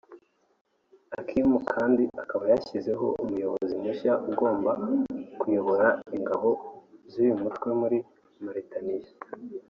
Aqmi kandi ikaba yashyizeho umuyobozi mushya ugomba kuyobora ingabo z’uyu mutwe muri Mauritaniya